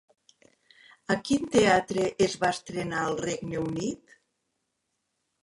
A quin teatre es va estrenar al Regne Unit?